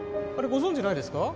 ご存じないですか？